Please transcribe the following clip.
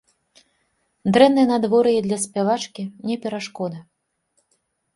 Дрэннае надвор'е для спявачкі не перашкода.